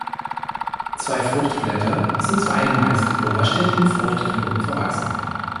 Zwei Fruchtblätter sind zu einem meist oberständigen Fruchtknoten verwachsen.